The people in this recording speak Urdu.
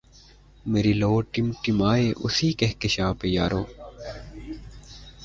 میری لؤ ٹمٹمائے اسی کہکشاں پہ یارو